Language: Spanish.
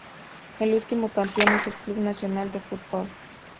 El último campeón es el Club Nacional de Football.